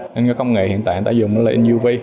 những cái công nghệ hiện tại người ta dùng đó là uv